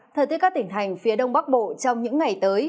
thời tiết các tỉnh thành phía đông bắc bộ trong những ngày tới